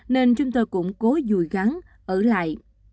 nên chúng tôi cũng cố dùi gắn ở lại